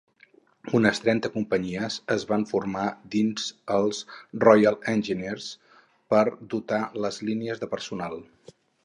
Unes trenta companyies es van formar dins els Royal Engineers per dotar les línies de personal.